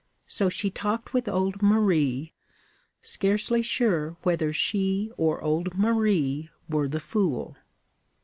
So she talked with old Marie, scarcely sure whether she or old Marie were the fool.